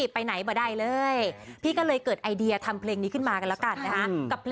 พี่ก็เลยเกิดไอเดียทำเพลงนี้ขึ้นมากันแล้วกันนะ